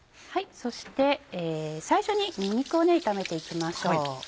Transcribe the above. そして最初ににんにくを炒めて行きましょう。